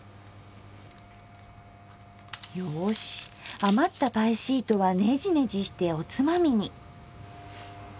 よし余ったパイシートはネジネジしておつまみに。